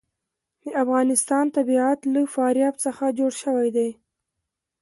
د افغانستان طبیعت له فاریاب څخه جوړ شوی دی.